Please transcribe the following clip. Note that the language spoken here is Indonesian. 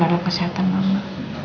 dalam kesehatan mama